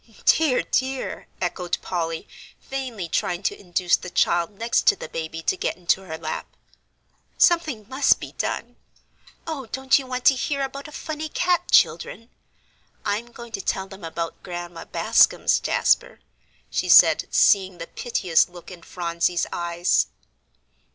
"Dear, dear!" echoed Polly, vainly trying to induce the child next to the baby to get into her lap; "something must be done. Oh, don't you want to hear about a funny cat, children? I'm going to tell them about Grandma Bascom's, Jasper," she said, seeing the piteous look in Phronsie's eyes.